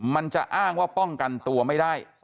มันจะอ้างว่าป้องกันตัวไม่ได้